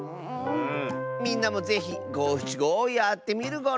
みんなもぜひごしちごをやってみるゴロ！